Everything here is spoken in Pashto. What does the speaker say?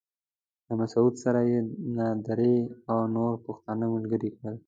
له مسعود سره يې نادري او نور پښتانه ملګري کړل.